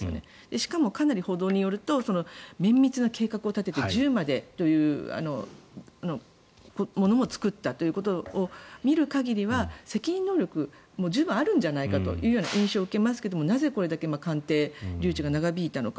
しかもかなり、報道によると綿密な計画を立てて銃まで作ったということを見る限りは責任能力も十分あるんじゃないかという印象を受けますがなぜこれだけ鑑定留置が長引いたのか。